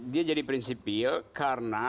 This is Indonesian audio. dia jadi prinsipil karena